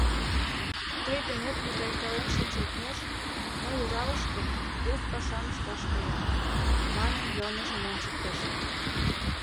«Тый денет мутайкален шинчылтмеш, мый Уралышке, вес пашам ышташ каем», — манын йылмыжым ончыктыш.